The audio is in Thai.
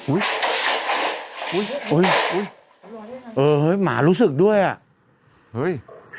อุ้ยโอ้ยเออหมารู้สึกด้วยอ่ะเฮ้ย